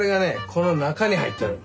この中に入っとる。